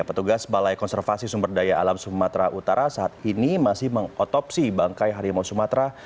petugas balai konservasi sumber daya alam sumatera utara saat ini masih mengotopsi bangkai harimau sumatera